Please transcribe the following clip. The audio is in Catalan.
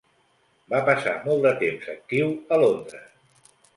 Va passar molt de temps actiu a Londres.